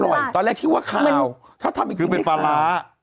อร่อยตอนแรกชื่อว่าขาวถ้าทำจริงคือเป็นปลาร้า